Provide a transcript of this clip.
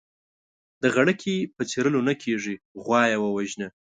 د غړکي په څيرلو نه کېږي ، غوا يې ووژنه.